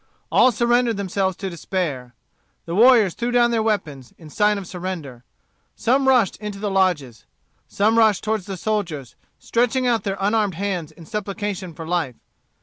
All surrendered themselves to despair. The warriors threw down their weapons, in sign of surrender. Some rushed into the lodges. Some rushed toward the soldiers, stretching out their unarmed hands in supplication for life.